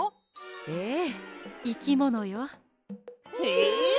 ええいきものよ。え！？